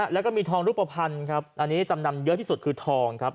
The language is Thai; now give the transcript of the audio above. แล้วก็มีทองรูปภัณฑ์ครับอันนี้จำนำเยอะที่สุดคือทองครับ